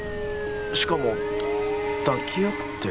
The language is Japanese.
しかも抱き合ってる？